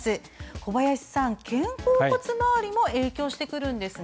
小林さん、肩甲骨回りも影響してくるんですね。